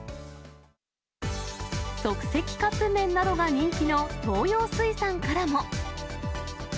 即席カップ麺などが人気の東洋水産からも。